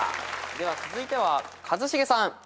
では続いては一茂さん。